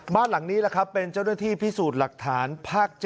บ้านหลังนี้แหละครับเป็นเจ้าหน้าที่พิสูจน์หลักฐานภาค๗